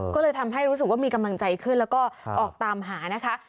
ก็เลยทำให้รู้สึกว่ามีกำลังใจขึ้นแล้วก็ออกตามหานะคะ